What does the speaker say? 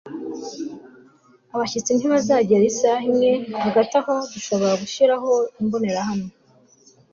abashyitsi ntibazahagera isaha imwe. hagati aho, dushobora gushiraho imbonerahamwe